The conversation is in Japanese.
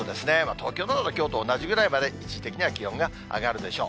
東京などできょうと同じぐらいまで、一時的には気温が上がるでしょう。